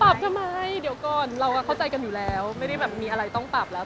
ทำไมเดี๋ยวก่อนเราเข้าใจกันอยู่แล้วไม่ได้แบบมีอะไรต้องปรับแล้ว